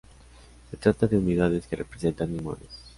Se trata de unidades que representan inmuebles.